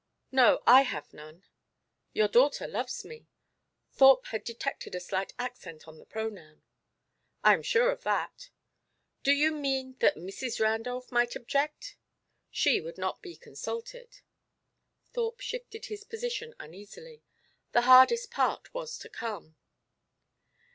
"No; I have none." "Your daughter loves me." Thorpe had detected a slight accent on the pronoun. "I am sure of that." "Do you mean that Mrs. Randolph might object?" "She would not be consulted." Thorpe shifted his position uneasily. The hardest part was to come.